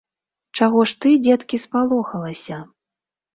Чаго ж, ты, дзеткі, спалохалася?